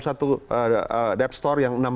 satu dep store yang